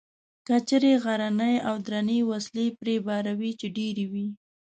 کچرې غرنۍ او درنې وسلې پرې بار وې، چې ډېرې وې.